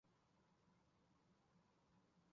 黑龟属是地龟科下的一个属。